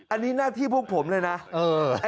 อันนี้หน้าที่พวกผมเลยนะ